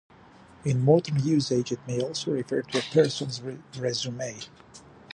In modern usage it may also refer to a person's resume.